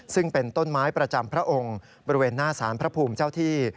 ซึ่งเป็นต้นไม้ประจำพระองค์บริเวณหน้าสารพระภูมิเจ้าที่